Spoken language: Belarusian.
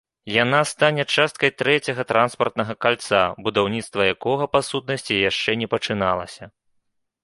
Яна стане часткай трэцяга транспартнага кальца, будаўніцтва якога па сутнасці яшчэ не пачыналася.